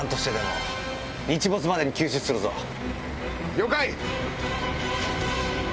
了解！